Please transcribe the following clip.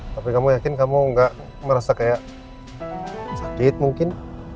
tapi kamu yakin kamu gak merasa kayak sakit mungkin